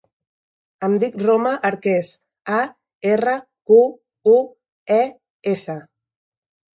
Em dic Roma Arques: a, erra, cu, u, e, essa.